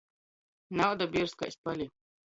Nauda bierst kai spali.